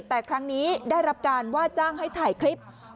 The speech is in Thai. แต่ครั้งนี้ได้รับการว่าจ้างให้ถ่ายคลิป